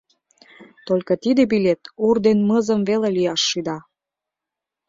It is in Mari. Только тиде билет ур ден мызым веле лӱяш шӱда.